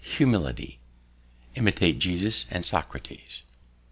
13. Humility. Imitate Jesus and Socrates.